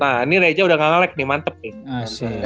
nah ini reza udah nggak ngalek nih mantep nih